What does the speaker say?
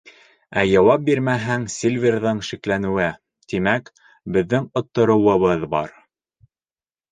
Ә яуап бирмәһәң, Сильверҙың шикләнеүе, тимәк, беҙҙең оттороуыбыҙ бар.